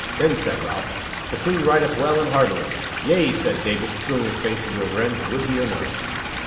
Then said Ralph: "The Queen rideth well and hardily." "Yea," said David, screwing his face into a grin, would he or no.